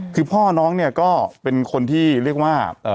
คือพ่อน้องเนี่ยก็เป็นคนที่เรียกว่า